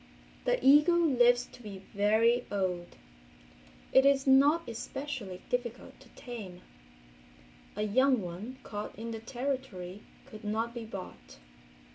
The eagle lives to be very old. It is not especially difficult to tame. A young one caught in the Territory could not be bought.